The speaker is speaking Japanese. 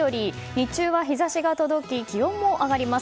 日中は日差しが届き気温も上がります。